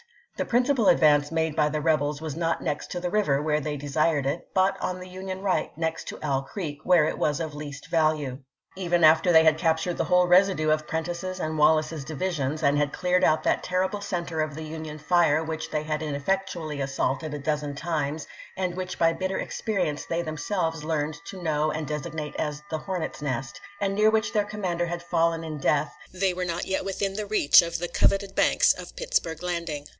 The principal advance made by the rebels was not next to the river, where they desired it, but on the Union right 330 ABEAHAM LINCOLN ch. XVIII. next to Owl Creek, where it was of least value. Eveu after they had captm ed the whole residue of Prentiss's and Wallace's divisions, and had cleared out that terrible center of the Union fire which they had ineffectually assaulted a dozen times, and which by bitter experience they themselves learned to know and designate as the " Hornets' nest," and near which their commander had fallen in death, they were not yet within reach of the cov eted banks of Pittsburg Landing.